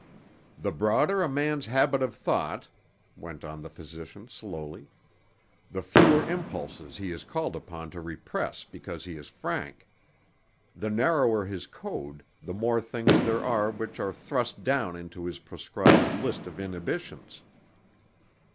"The broader a man's habit of thought," went on the physician slowly, "the fewer impulses he is called upon to repress because he is frank. The narrower his code, the more things there are which are thrust down into his proscribed list of inhibitions.